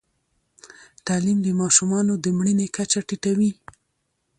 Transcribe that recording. تعلیم د ماشومانو د مړینې کچه ټیټوي.